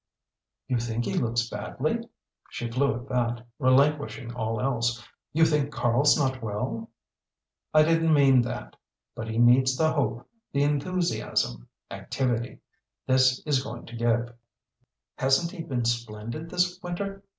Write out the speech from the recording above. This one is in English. "You think he looks badly?" she flew at that, relinquishing all else. "You think Karl's not well?" "I didn't mean that. But he needs the hope, the enthusiasm, activity, this is going to give." "Hasn't he been splendid this winter?"